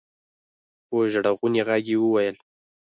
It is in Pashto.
په ژړغوني غږ يې وويل.